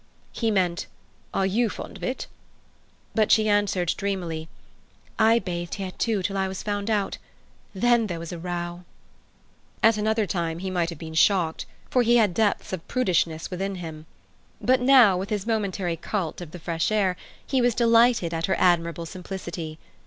He meant, "Are you fond of it?" But she answered dreamily, "I bathed here, too, till I was found out. Then there was a row." At another time he might have been shocked, for he had depths of prudishness within him. But now? with his momentary cult of the fresh air, he was delighted at her admirable simplicity.